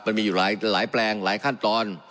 มันมีอยู่หลายแปลงหลายขั้นตอน